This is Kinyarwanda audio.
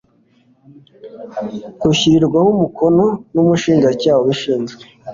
rushyirwaho umukono n'umushinjacyaha ubishinzwe